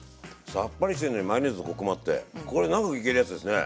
さっぱりしてるのにマヨネーズのコクもあってこれ長くいけるやつですね。